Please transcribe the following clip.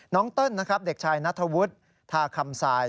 เติ้ลนะครับเด็กชายนัทวุฒิทาคำทราย